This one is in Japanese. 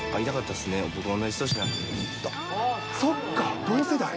本当、そっか、同世代。